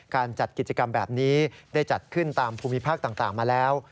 การจัดกิจกรรมแบบนี้ได้จัดขึ้นตามภูมิภาคต่างมาแล้ว